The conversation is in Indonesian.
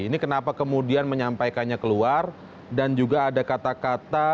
ini kenapa kemudian menyampaikannya keluar dan juga ada kata kata